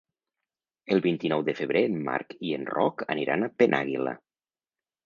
El vint-i-nou de febrer en Marc i en Roc aniran a Penàguila.